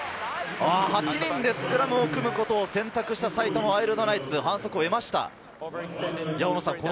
８人でスクラムを組むことを選択した埼玉ワイルドナイツ、反則を得ました。